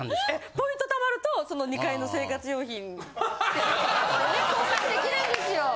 ポイント貯まるとその２階の生活用品交換できるんですよ。